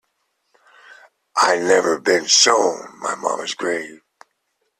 I had never been shown my mama's grave.